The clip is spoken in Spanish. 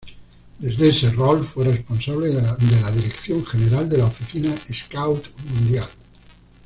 Desde ese rol fue responsable de la Dirección General de la Oficina Scout Mundial.